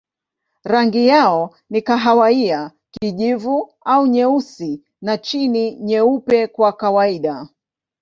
Rangi yao ni kahawia, kijivu au nyeusi na chini nyeupe kwa kawaida.